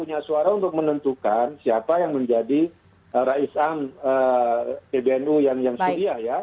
ada suara untuk menentukan siapa yang menjadi raih sam bdnu yang suria ya